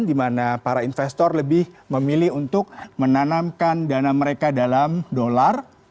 di mana para investor lebih memilih untuk menanamkan dana mereka dalam dolar